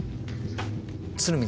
鶴見